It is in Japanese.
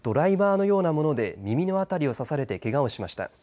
のようなもので耳の辺りを刺されてけがをしました。